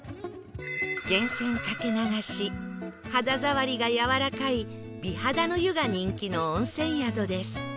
源泉かけ流し肌触りがやわらかい美肌の湯が人気の温泉宿です